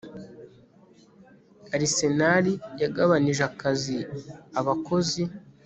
Arsenal Yagabanije Akazi Abakozi